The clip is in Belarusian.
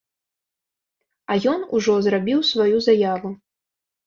А ён ужо зрабіў сваю заяву.